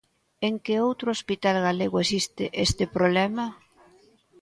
¿En que outro hospital galego existe este problema?